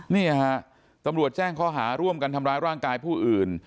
นี่ฮะตำรวจแจ้งข้อหาร่วมกันทำร้ายร่างกายผู้อื่น